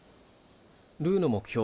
ルーの目標